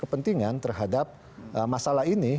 kegiatan yang terjadi di perusahaan